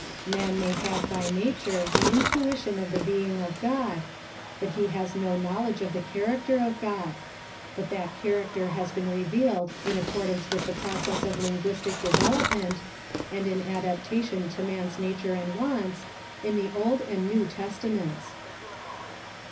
Man may have by nature an intuition of the Being of God, but he has no knowledge of the character of God; but that character has been revealed in accordance with the process of linguis tic development, and in adaptation to man's nature and wants, in the Old and New Testaments.